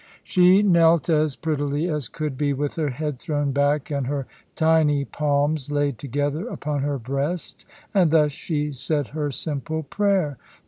She knelt as prettily as could be, with her head thrown back, and her tiny palms laid together upon her breast, and thus she said her simple prayer.